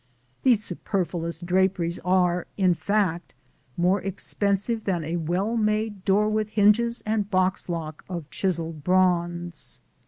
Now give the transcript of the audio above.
These superfluous draperies are, in fact, more expensive than a well made door with hinges and box lock of chiselled bronze.